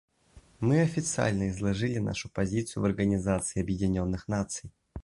Мы официально изложили нашу позицию в Организации Объединенных Наций.